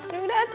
ya udah atuh